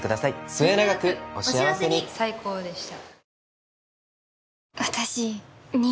末永くお幸せに最高でした